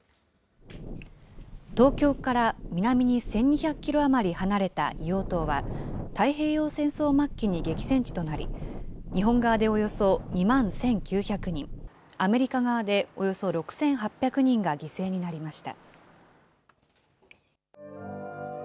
東京から南に１２００キロ余り離れた硫黄島は、太平洋戦争末期に激戦地となり、日本側でおよそ２万１９００人、アメリカ側でおよそ６８００人が犠牲になりました。